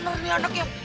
bener nih anaknya